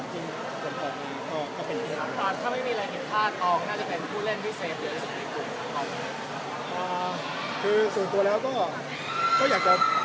ช่วงแรกก็มีบ้างนะครับ